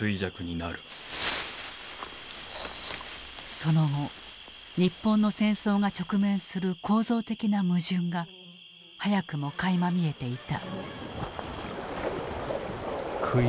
その後日本の戦争が直面する構造的な矛盾が早くもかいま見えていた。